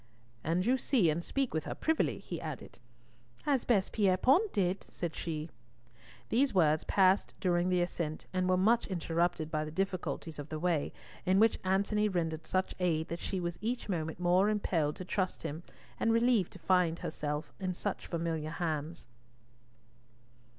"And you see and speak with her privily," he added. "As Bess Pierrepoint did," said she. These words passed during the ascent, and were much interrupted by the difficulties of the way, in which Antony rendered such aid that she was each moment more impelled to trust to him, and relieved to find herself in such familiar hands.